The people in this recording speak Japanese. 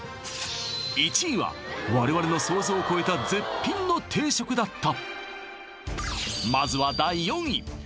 １位は我々の想像を超えた絶品の定食だった！